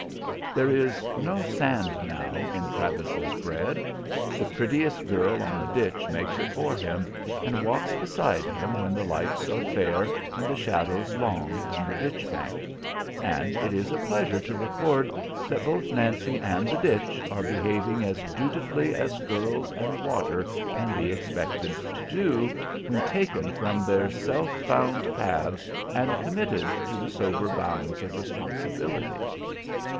There is no sand, now, in Travis's bread; the prettiest girl on the ditch makes it for him, and walks beside him when the lights are fair and the shadows long on the ditch bank. And it is a pleasure to record that both Nancy and the ditch are behaving as dutifully as girls and water can be expected to do, when taken from their self found paths and committed to the sober bounds of responsibility.